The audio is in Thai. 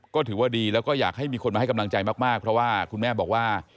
ก็ถือว่าดีแล้วก็อยากให้มีคนมาให้กำลังใจมากเพราะว่าคุณแม่บอกว่า